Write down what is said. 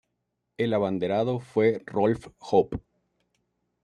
El abanderado fue Rolf Hoppe.